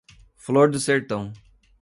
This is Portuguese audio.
Flor do Sertão